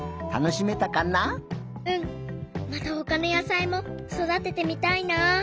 うん。またほかの野さいもそだててみたいな。